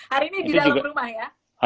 hari ini di dalam rumah ya